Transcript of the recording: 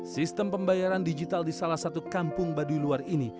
sistem pembayaran digital di salah satu kampung baduy luar ini